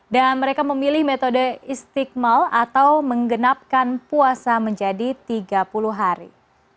dan mereka memilih metode istiqmal atau menggenapkan puasa menjadi tiga puluh hari